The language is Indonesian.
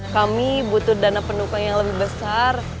kami butuh dana pendukung yang lebih besar